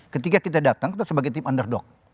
ketika kita datang kita sebagai tim underdog